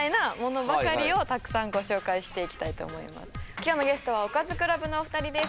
今日のゲストはおかずクラブのお二人です。